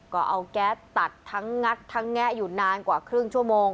ก็เอาแก๊สตัดทั้งงัดทั้งแงะอยู่นานกว่าครึ่งชั่วโมง